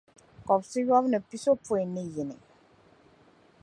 kobisiyɔbu ni pisopɔin ni yini.